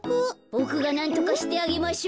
ボクがなんとかしてあげましょう。